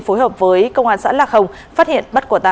phối hợp với công an xã lạc hồng phát hiện